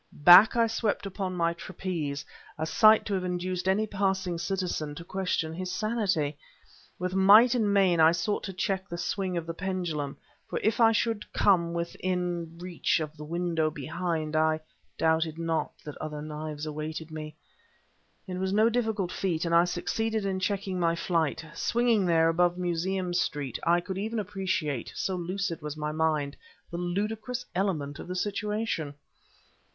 Back I swept upon my trapeze, a sight to have induced any passing citizen to question his sanity. With might and main I sought to check the swing of the pendulum, for if I should come within reach of the window behind I doubted not that other knives awaited me. It was no difficult feat, and I succeeded in checking my flight. Swinging there above Museum Street I could even appreciate, so lucid was my mind, the ludicrous element of the situation.